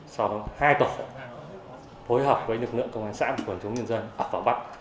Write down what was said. sau đó hai tổ phối hợp với lực lượng công an xã quản chúng nhân dân ấp vào vặt